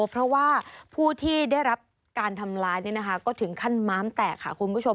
เพราะว่าผู้ที่ได้รับการทำร้ายก็ถึงขั้นม้ามแตกค่ะคุณผู้ชม